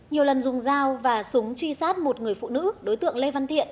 nhiều lần dùng dao và súng truy sát một người phụ nữ đối tượng lê văn thiện